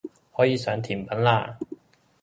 可以上甜品喇